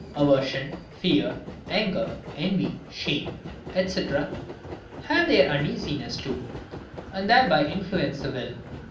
Aversion, fear, anger, envy, shame, &c. have each their uneasinesses too, and thereby influence the will.